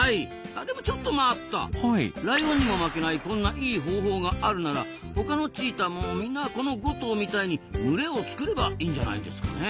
ライオンにも負けないこんないい方法があるなら他のチーターもみんなこの５頭みたいに群れを作ればいいんじゃないですかね？